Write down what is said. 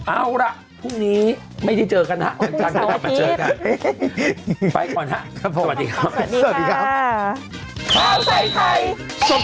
เอาล่ะพรุ่งนี้ไม่ได้เจอกันนะจังไม่ได้มาเจอกันไปก่อนนะสวัสดีครับ